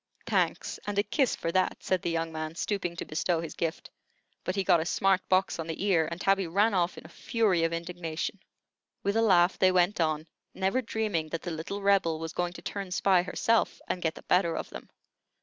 "Thanks, and a kiss for that," said the young man, stooping to bestow his gift. But he got a smart box on the ear, and Tabby ran off in a fury of indignation. With a laugh they went on, never dreaming that the little Rebel was going to turn spy herself, and get the better of them.